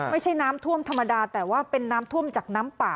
ไม่ใช่น้ำท่วมธรรมดาแต่ว่าเป็นน้ำท่วมจากน้ำป่า